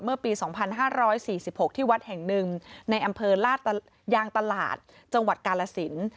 เมื่อปี๒๕๔๖ที่วัดแห่งหนึ่งในอำเภอลาดยางตลาดจังหวัดกาลสิน